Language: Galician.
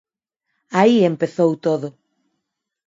Aí empezou todo.